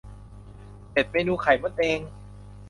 เจ็ด เมนูไข่มดแดง